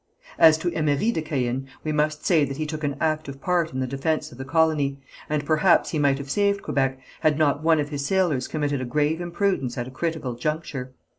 As to Emery de Caën we must say that he took an active part in the defence of the colony, and perhaps he might have saved Quebec, had not one of his sailors committed a grave imprudence at a critical juncture.